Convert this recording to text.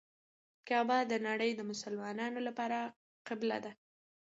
کعبه د نړۍ د مسلمانانو لپاره قبله ده.